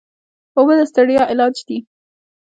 اوبه د ستړیا علاج دي.